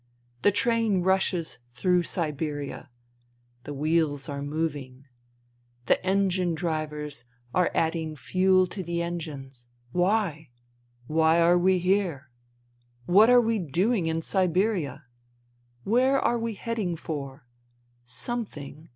The train rushes through Siberia. The wheels are moving. The engine drivers are adding fuel to the engines. Why ? Why are we here ? What are we doing in Siberia ? Where are we heading for ? Something.